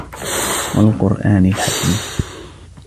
والقرآن الحكيم